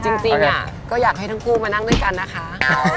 จริงก็อยากให้ทั้งคู่มานั่งด้วยกันนะคะ